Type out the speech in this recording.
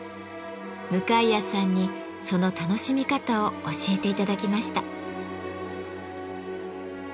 向谷さんにその楽しみ方を教えて頂きました。